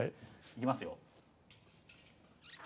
いきますよ。